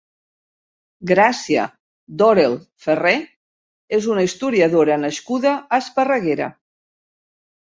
Gràcia Dorel-Ferré és una historiadora nascuda a Esparreguera.